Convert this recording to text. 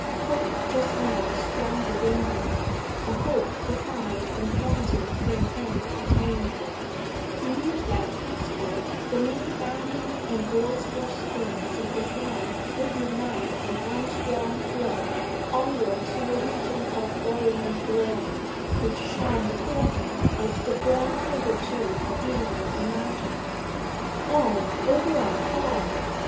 Hope just now was strong within him, a hope defined and pointing to an end attainable; he knew that henceforth the many bounding and voiceful streams of his life would unite in one strong flow onward to a region of orient glory which shone before him as the bourne hitherto but dimly imagined. On, Oberon, on!